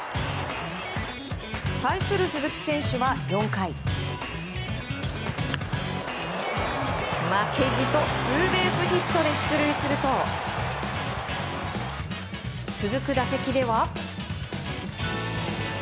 対する鈴木選手は、４回。負けじとツーベースヒットで出塁すると続く打席では。